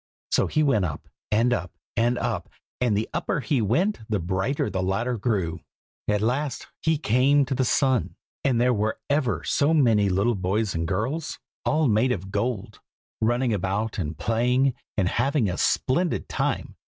So he went up, and up, and up, and the upper he went the brighter the ladder grew. At last he came to the sun, and there were ever so many little boys and girls, all made of gold, running about and playing, and having a splendid time.